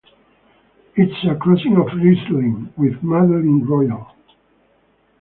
It is a crossing of Riesling with Madeleine Royale.